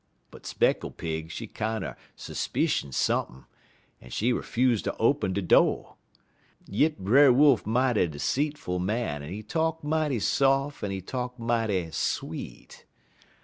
_' "But Speckle Pig, she kinder 'spicion sump'n', en she 'fuse ter open de do'. Yit Brer Wolf mighty 'seetful man, en he talk mighty saf' en he talk mighty sweet.